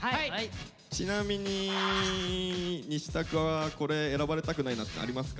ちなみにニシタクはこれ選ばれたくないなっていうのありますか？